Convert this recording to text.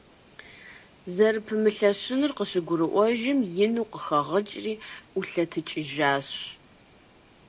Зэрыпэмылъэщынур къыщыгурыӏуэжым, ину къыхэгъыкӏри, ӏулъэтыкӏыжащ.